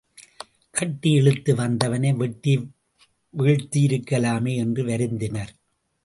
கட்டி இழுத்து வந்தவனை வெட்டி வீழ்த்தி இருக்கலாமே என்று வருந்தினர்.